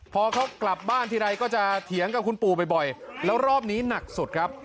พอเขากลับบ้านทีไรก็จะเถียงกับคุณปู่บ่อยแล้วรอบนี้หนักสุดครับ